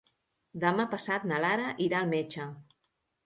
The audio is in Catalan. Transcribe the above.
Demà passat na Lara irà al metge.